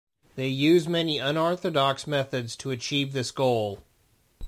They use many unorthodox methods to achieve this goal.